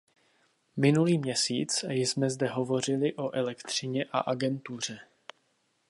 Minulý měsíc jsme zde hovořili o elektřině a agentuře.